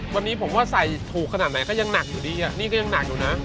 วันนี้ผมก็จะใส่ถูกขนาดไหนเค้ายังหนักอยู่ดีอ่ะ